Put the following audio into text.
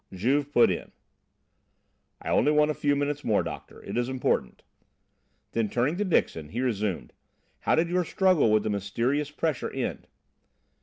Juve put in: "I only want a few moments more, doctor. It is important." Then, turning to Dixon, he resumed: "How did your struggle with the mysterious pressure end?"